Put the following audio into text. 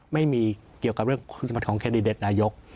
ไม่มีเกี่ยวกับเรื่องคุณสมบัติของแคนดิเดตนายก